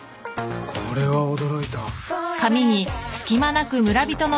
これは驚いた。